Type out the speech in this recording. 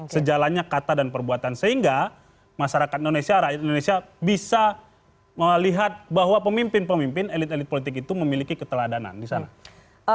sejalannya kata dan perbuatan sehingga masyarakat indonesia bisa melihat bahwa pemimpin pemimpin elit elit politik itu memiliki keteladanan disana